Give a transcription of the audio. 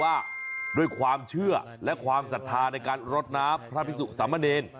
ว่าด้วยความเชื่อและความศรัทธาในการรดน้ำพระพิสุสามเณร